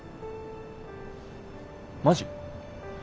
マジ？